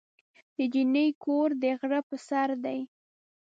د جینۍ کور د غره په سر دی.